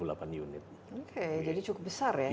oke jadi cukup besar ya